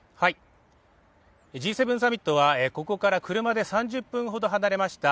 Ｇ７サミットはここから車で３０分ほど離れました